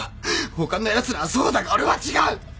他のやつらはそうだが俺は違う。